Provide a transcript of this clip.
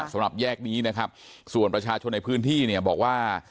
สำหรับแยกนี้นะครับส่วนประชาชนในพื้นที่เนี่ยบอกว่า